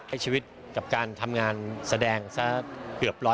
ชีวิตกับการทำงานแสดงสักเกือบ๑๐๐